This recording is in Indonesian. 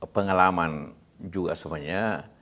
pengalaman juga semuanya